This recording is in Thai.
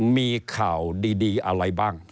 มีข่าวดีอะไรบ้าง